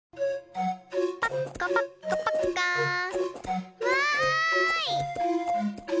パッカパッカパッカー。わい！